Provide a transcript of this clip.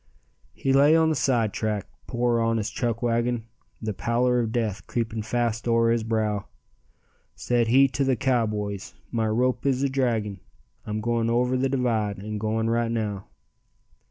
He lay on the sidetrack, poor honest Chuckwagon, The pallor of death creeping fast o'er his brow; Said he to the cowboys, "My rope is a dragging, I'm going o'er the divide and going right now.